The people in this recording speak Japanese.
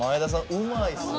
うまいっすね。